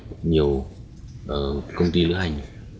rất là mong có nhiều công ty lưu hành